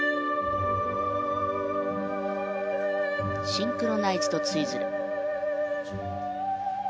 シンクロナイズドツイズル。